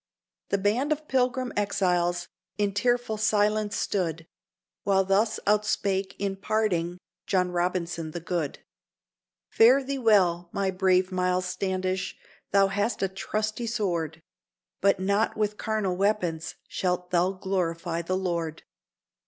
_ The band of Pilgrim exiles in tearful silence stood, While thus outspake, in parting, John Robinson the good: "Fare thee well, my brave Miles Standish! thou hast a trusty sword, But not with carnal weapons shalt thou glorify the Lord.